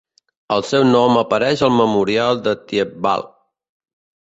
El seu nom apareix al Memorial de Thiepval.